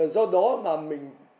do đó mà mình